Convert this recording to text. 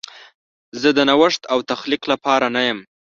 زه د نوښت او تخلیق لپاره نه یم.